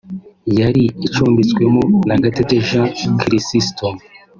yari icumbitswemo na Gatete Jean Chrisostome